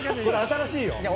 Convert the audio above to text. これ新しいよ。